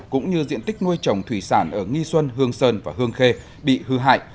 cũng như diện tích nuôi trồng thủy sản ở nghi xuân hương sơn và hương khê bị hư hại